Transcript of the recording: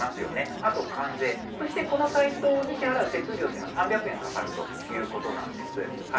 あと関税、そしてこのサイトに支払う手数料というのは３００円かかるということなんです。